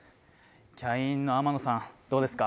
キャインの天野さんどうですか？